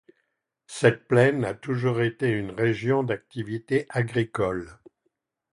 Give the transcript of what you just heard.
Cette plaine a toujours été une région d'activité agricole.